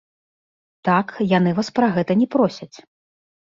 Так, яны вас пра гэта не просяць.